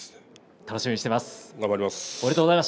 楽しみにしています。